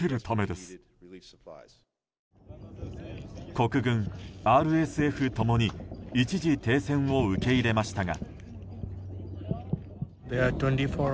国軍、ＲＳＦ共に一時停戦を受け入れましたが。